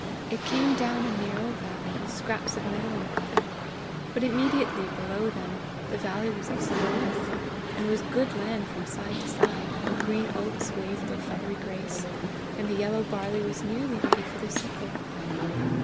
It came down a narrow valley, with scraps of meadow in the bottom; but immediately below them the valley was of some width, and was good land from side to side, where green oats waved their feathery grace, and the yellow barley was nearly ready for the sickle.